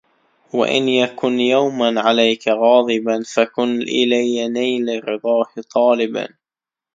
وإن يكن يوما عليك غاضبا فكن إلي نيل رضاه طالبا